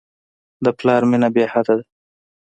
د پلار مینه بېحده ده.